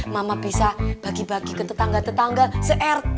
mama bisa bagi bagi ke tetangga tetangga se rt